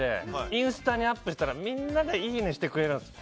インスタにアップしたらみんながいいねしてくれるんです。